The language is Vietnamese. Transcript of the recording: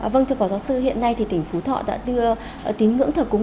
vâng thưa phó giáo sư hiện nay thì tỉnh phú thọ đã đưa tín ngưỡng thờ cúng